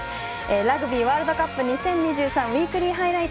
「ラグビーワールドカップ２０２３ウイークリーハイライト」。